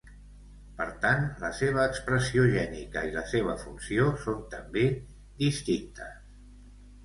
Per tant, la seva expressió gènica i la seva funció són també distintes.